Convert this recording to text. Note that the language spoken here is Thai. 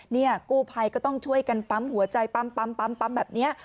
นี่กู้ภัยก็ต้องช่วยกันปั๊มหัวใจปั๊มแบบนี้